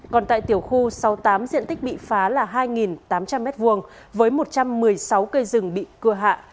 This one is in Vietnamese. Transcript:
còn tại tiểu khu sáu mươi tám diện tích bị phá là hai tám trăm linh m hai với một trăm một mươi sáu cây rừng bị cưa hạ